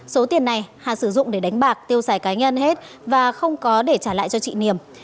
số tiền này hà sử dụng để đánh bạc tiêu xài cá nhân hết và không có để trả lại cho chị niềm